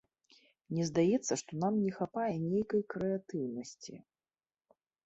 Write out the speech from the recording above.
Мне здаецца, што нам не хапае нейкай крэатыўнасці.